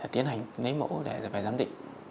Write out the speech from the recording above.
tiến hành lấy mẫu để giám định